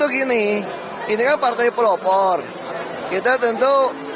jalan sih intinya ibu tuh gini ini apa tipe lopor kita tentu